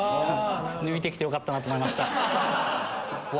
抜いてよかったなと思いました。